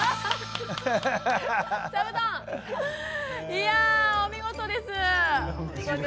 いやお見事です。